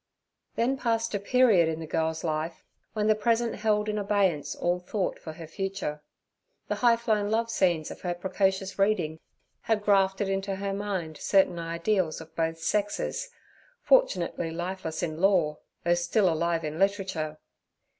Then passed a period in the girl's life when the present held in abeyance all thought for her future. The high flown love scenes of her precocious reading had grafted into her mind certain ideals of both sexes, fortunately lifeless in law, though still alive in literature.